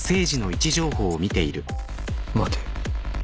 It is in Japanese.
待て。